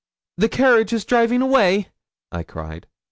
'The carriage is driving away!' I cried.